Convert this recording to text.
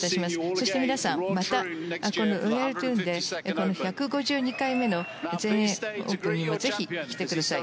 そして皆さん、またこのロイヤルトゥーンで１５２回目の全英オープンにもぜひ来てください。